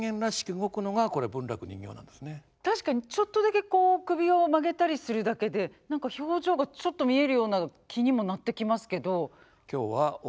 確かにちょっとだけこう首を曲げたりするだけで何か表情がちょっと見えるような気にもなってきますけど。